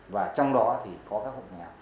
và trong đó thì có các hộp nghèo